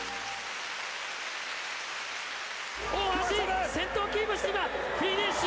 大橋、先頭をキープして今フィニッシュ！